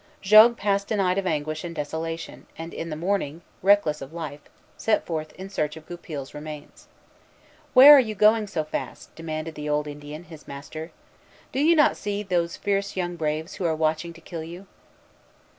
Jogues passed a night of anguish and desolation, and in the morning, reckless of life, set forth in search of Goupil's remains. "Where are you going so fast?" demanded the old Indian, his master. "Do you not see those fierce young braves, who are watching to kill you?"